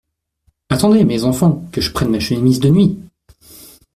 Attendez, mes enfants, que je prenne ma chemise de nuit !